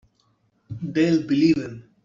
They'll believe him.